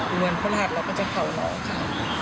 วันพฤหัสเราก็จะเผาน้องค่ะ